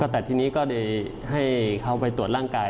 แต่ทีนี้ก็ได้ให้เขาไปตรวจร่างกาย